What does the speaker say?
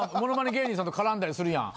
芸人さんと絡んだりするやん。